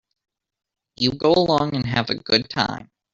You go along and have a good time.